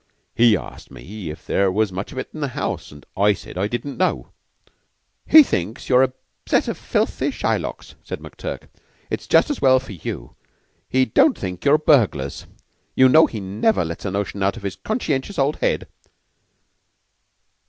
He asked me if there was much of it in the house; and I said I didn't know." "He thinks you're a set of filthy Shylocks," said McTurk. "It's just as well for you he don't think you're burglars. You know he never gets a notion out of his conscientious old head."